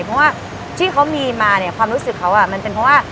เพราะว่าที่เขามีมาเนี่ยความรู้สึกเขามันเป็นเพราะว่า